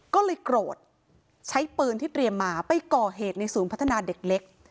ก็เลยโกรธใช้ปืนที่เตรียมมาไปก่อเหตุในศูนย์พัฒนาเด็กเล็ก